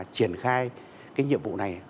triển khai cái nhiệm vụ này